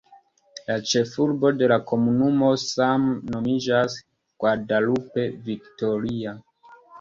La ĉefurbo de la komunumo same nomiĝas "Guadalupe Victoria".